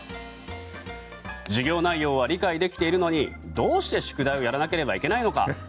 授業内容は理解できているのにどうして宿題をやらなければいけないのか。